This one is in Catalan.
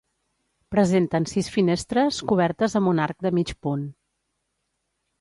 Presenten sis finestres cobertes amb un arc de mig punt.